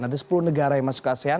ada sepuluh negara yang masuk ke asean